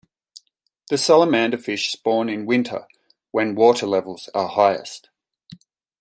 The salamaderfish spawn in winter when water levels are highest.